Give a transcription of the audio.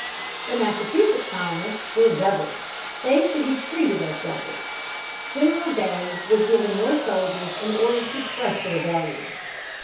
The Massachusetts colonists were rebels, they should be treated as rebels. General Gage was given more soldiers and ordered to crush the rebellion.